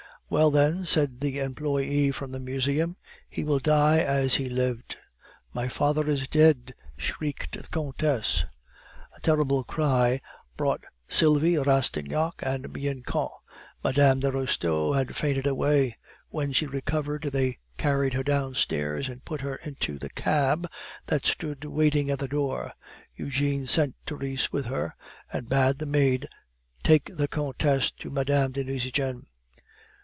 "Well, then," said the employe from the Museum, "he will die as he has lived." "My father is dead!" shrieked the Countess. The terrible cry brought Sylvie, Rastignac, and Bianchon; Mme. de Restaud had fainted away. When she recovered they carried her downstairs, and put her into the cab that stood waiting at the door. Eugene sent Therese with her, and bade the maid take the Countess to Mme. de Nucingen.